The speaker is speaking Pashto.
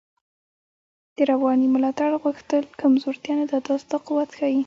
د روانی ملاتړ غوښتل کمزوتیا نده، دا ستا قوت ښایی